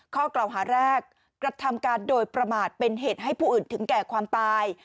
ข้อกล่าวหาแรกกระทำการโดยประมาทเป็นเหตุให้ผู้อื่นถึงแก่ความตาย